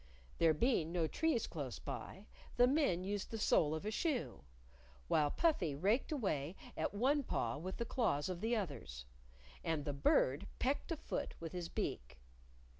There being no trees close by, the men used the sole of a shoe, while Puffy raked away at one paw with the claws of the others, and the Bird pecked a foot with his beak.